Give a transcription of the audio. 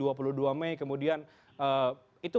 kemudian itu bagaimana dari kacamata pemimpin